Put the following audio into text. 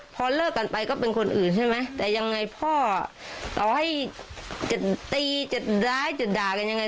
พอเลิกกันไปก็เป็นคนอื่นใช่ไหมแต่ยังไงพ่อต่อให้จะตีจะร้ายจะด่ากันยังไง